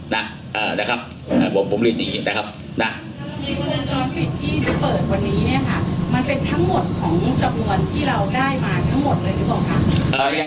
งานวันนี้มีประโยชน์ที่เปิดทั้งหมดของจังรวนที่เราได้มาเลยหรือเปล่าครับ